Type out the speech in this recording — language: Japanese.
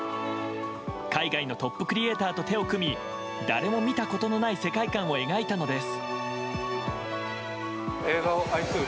海外のトップクリエーターと手を組み誰も見たことのない世界観を描いたのです。